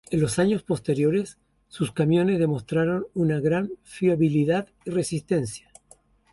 En los años posteriores, sus camiones demostraron una gran fiabilidad y resistencia.